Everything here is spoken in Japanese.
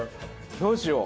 どうしよう。